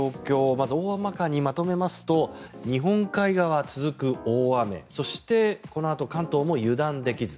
まず大まかにまとめますと日本海側続く大雨そして、このあと関東も油断できず。